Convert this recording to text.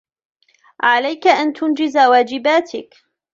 عليك أن تنجز واجباته.